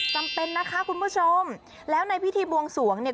จำเป็นนะคะคุณผู้ชมแล้วในพิธีบวงสวงเนี่ย